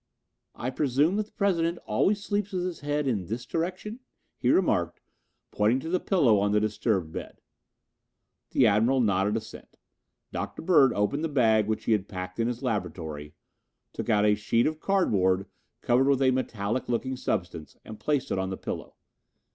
"I presume that the President always sleeps with his head in this direction?" he remarked, pointing to the pillow on the disturbed bed. The Admiral nodded assent. Dr. Bird opened the bag which he had packed in his laboratory, took out a sheet of cardboard covered with a metallic looking substance, and placed it on the pillow.